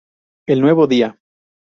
El Nuevo Día.